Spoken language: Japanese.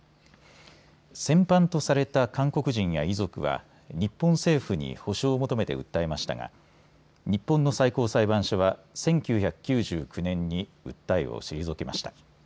戦犯とされた韓国人や遺族は日本政府に補償を求めて訴えましたが、日本の最高裁判所は１９９９年に訴えを退けました。